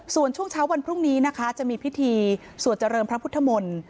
ส่วนช่วงเช้าวันพรุ่งนี้นะคะจะมีพิธีสวดเจริญพระพุทธมนตร์